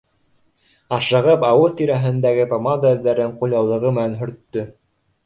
Ашығып ауыҙ тирәһендәге помада эҙҙәрен ҡулъяулығы менән һөрттө